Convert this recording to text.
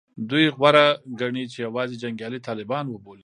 دوی غوره ګڼي چې یوازې جنګیالي طالبان وبولي